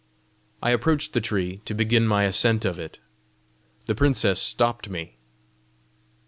I approached the tree to begin my ascent of it. The princess stopped me.